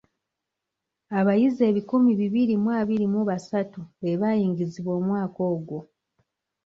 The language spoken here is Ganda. Abayizi ebikumi bibiri mu abiri mu basatu be baayingizibwa omwaka ogwo.